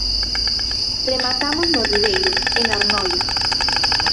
Rematamos no Ribeiro, en Arnoia.